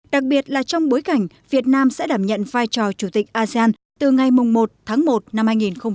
đặc biệt là trong bối cảnh việt nam sẽ đảm nhận vai trò chủ tịch asean từ ngày một tháng một năm hai nghìn hai mươi